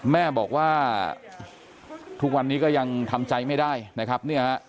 แม่บอกว่าทุกวันนี้ก็ยังทำใจไม่ได้นะครับเนี่ยฮะ